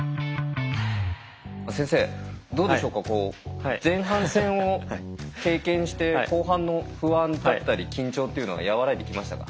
先生どうでしょうか前半戦を経験して後半の不安だったり緊張っていうのは和らいできましたか？